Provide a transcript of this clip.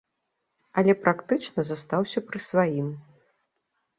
Але практычна застаўся пры сваім.